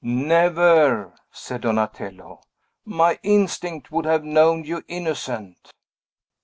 "Never," said Donatello, "my instinct would have known you innocent."